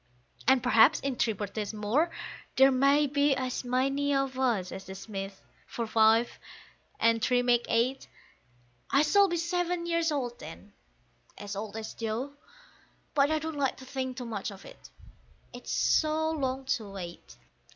And perhaps in three birthdays more there may be as many of us as the Smiths, for five and three make eight; I shall be seven years old then (as old as Joe), but I don't like to think too much of it, it's so long to wait.